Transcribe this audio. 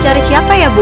cari siapa ya bu